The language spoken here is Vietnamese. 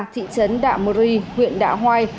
thị trấn đạm rì huyện đạ hoai